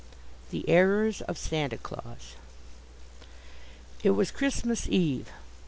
The Errors of Santa Claus It was Christmas Eve.